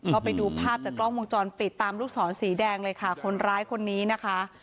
ก็ไปดูภาพจากกล้องวงจรปิดตามลูกศรสีแดงเลยค่ะคนร้ายคนนี้นะคะ